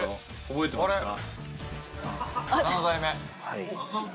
覚えてますよ！